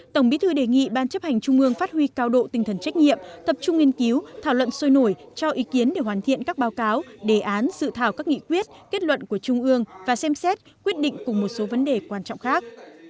tổng bí thư đề nghị ban chấp hành trung ương phát huy cao độ tinh thần trách nhiệm tập trung nghiên cứu thảo luận sôi nổi cho ý kiến để hoàn thiện các báo cáo đề án dự thảo các nghị quyết kết luận của trung ương và xem xét quyết định cùng một số vấn đề quan trọng khác